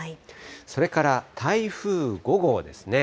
それから台風５号ですね。